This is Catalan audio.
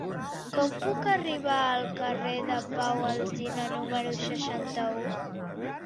Com puc arribar al carrer de Pau Alsina número seixanta-u?